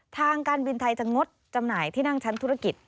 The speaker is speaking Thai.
ทางการบินไทยจะงดจำหน่ายที่นั่งชั้นธุรกิจ